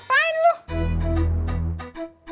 saya tunggu ntar sore ya